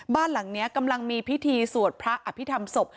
บ้านหลังนี้กำลังมีพิธีสวดพระอภิษฐรรมศพ